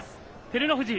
照ノ富士。